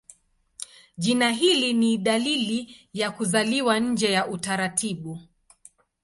Jina hili ni dalili ya kuzaliwa nje ya utaratibu.